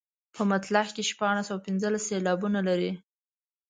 په مطلع کې شپاړس او پنځلس سېلابونه لري.